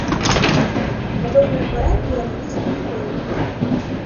Падобныя парадкі ў англійскіх школах.